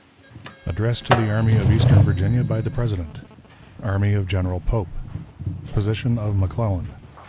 Address to the Army of Eastern Virginia by the President. Army of General Pope. Position of McClellan.